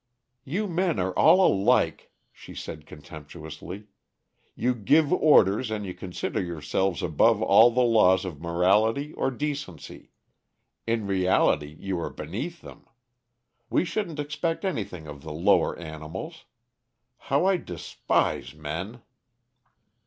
"You men are all alike," she said contemptuously. "You give orders and you consider yourselves above all the laws of morality or decency; in reality you are beneath them. We shouldn't expect anything of the lower animals! How I despise men!"